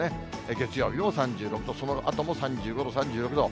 月曜日も３６度、そのあとも３５度、３６度。